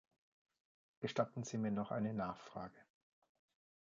Gestatten Sie mir noch eine Nachfrage.